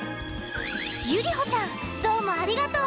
ゆりほちゃんどうもありがとう！